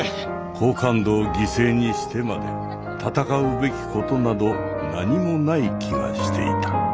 好感度を犠牲にしてまで戦うべきことなど何もない気がしていた。